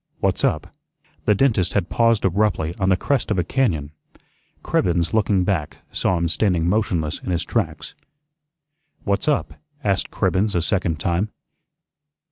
"What's up?" The dentist had paused abruptly on the crest of a cañón. Cribbens, looking back, saw him standing motionless in his tracks. "What's up?" asked Cribbens a second time.